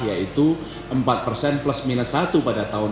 yaitu empat plus minus satu pada tahun dua ribu lima belas